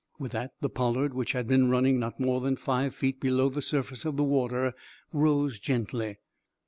With that the "Pollard," which had been running not more than five feet below the surface of the water, rose gently.